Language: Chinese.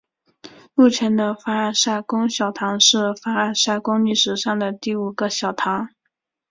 目前的凡尔赛宫小堂是凡尔赛宫历史上的第五个小堂。